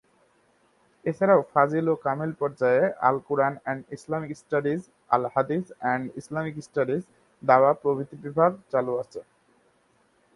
এছাড়াও ফাজিল ও কামিল পর্যায়ে Al Quran and Islamic studies, Al Hadith and Islamic studies, দাওয়াহ প্রভৃতি বিভাগ চালু আছে।